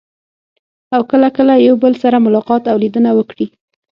او کله کله یو بل سره ملاقات او لیدنه وکړي.